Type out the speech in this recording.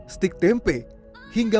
steak tempe hingga